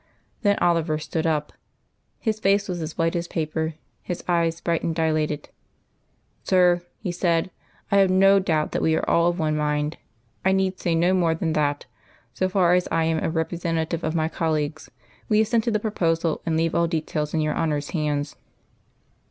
Then Oliver stood up. His face was as white as paper; his eyes bright and dilated. "Sir," he said, "I have no doubt that we are all of one mind. I need say no more than that, so far as I am a representative of my colleagues, we assent to the proposal, and leave all details in your Honour's hands."